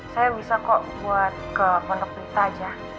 saya bisa kok buat ke pondok berita aja